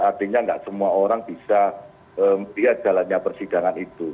artinya nggak semua orang bisa melihat jalannya persidangan itu